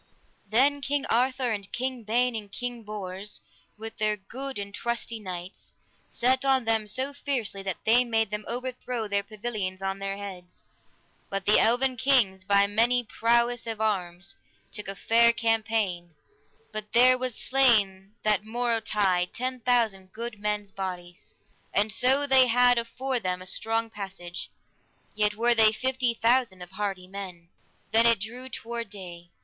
Then King Arthur and King Ban and King Bors, with their good and trusty knights, set on them so fiercely that they made them overthrow their pavilions on their heads, but the eleven kings, by manly prowess of arms, took a fair champaign, but there was slain that morrowtide ten thousand good men's bodies. And so they had afore them a strong passage, yet were they fifty thousand of hardy men. Then it drew toward day.